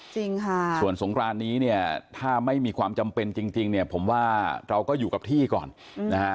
จริงค่ะส่วนสงครานนี้เนี่ยถ้าไม่มีความจำเป็นจริงเนี่ยผมว่าเราก็อยู่กับที่ก่อนนะฮะ